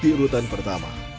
di urutan pertama